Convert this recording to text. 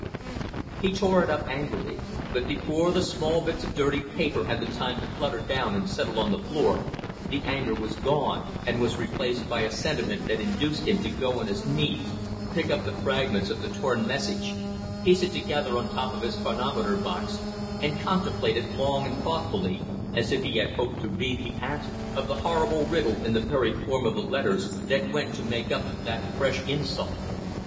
W." He tore it up angrily, but before the small bits of dirty paper had the time to flutter down and settle on the floor, the anger was gone and was replaced by a sentiment that induced him to go on his knees, pick up the fragments of the torn message, piece it together on the top of his chronometer box, and contemplate it long and thoughtfully, as if he had hoped to read the answer of the horrible riddle in the very form of the letters that went to make up that fresh insult.